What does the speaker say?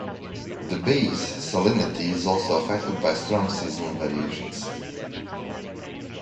The bay's salinity is also affected by strong seasonal variations.